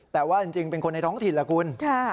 แต่ว่าจริงเป็นคนในท้องถิ่นล่ะคุณ